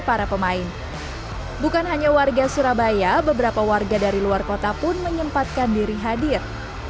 para pemain bukan hanya warga surabaya beberapa warga dari luar kota pun menyempatkan diri hadir